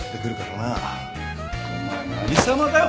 お前何様だよ